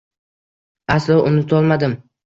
Аslo unutolmadim.